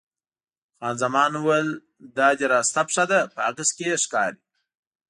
خان زمان وویل: دا دې راسته پښه ده، په عکس کې یې ښکاري.